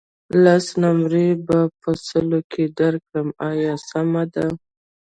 لس نمرې به په سلو کې درکړم آیا سمه ده.